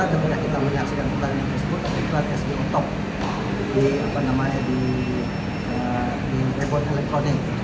karena kita menyaksikan pertandingan tersebut adalah iklan sdo pop di rebun elektronik